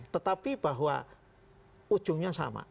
tetapi bahwa ujungnya sama